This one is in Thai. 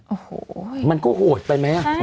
โอ้โหมันก็โหดไปไหม